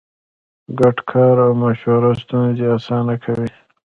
ګډ کار او مشوره ستونزې اسانه کوي.